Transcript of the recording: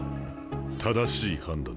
正しい判断だ。